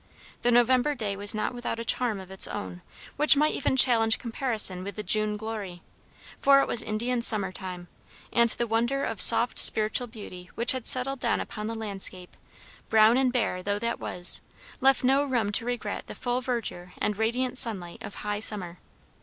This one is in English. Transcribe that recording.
The November day was not without a charm of its own which might even challenge comparison with the June glory; for it was Indian summer time, and the wonder of soft spiritual beauty which had settled down upon the landscape, brown and bare though that was, left no room to regret the full verdure and radiant sunlight of high summer.